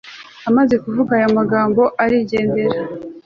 amaze kuvuga ayo magambo, arigendera